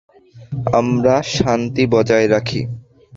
আমরা শান্তি বজায় রাখি!